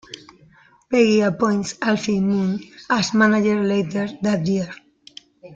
Peggy appoints Alfie Moon as manager later that year.